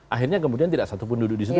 akhirnya kemudian tidak satu pun duduk di situ